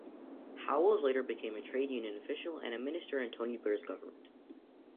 Howells later became a trade union official and a Minister in Tony Blair's government.